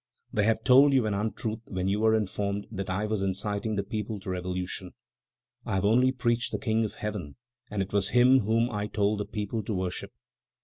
They have told you an untruth when you were informed that I was inciting the people to revolution. I have only preached of the King of Heaven, and it was Him whom I told the people to worship.